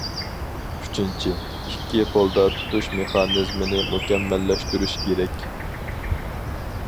ئۈچىنچى، ئىككى قولدا تۇتۇش مېخانىزمىنى مۇكەممەللەشتۈرۈش كېرەك.